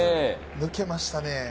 抜けましたね。